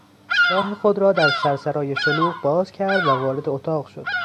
راه خود را در سرسرای شلوغ باز کرد و وارد اتاق شد.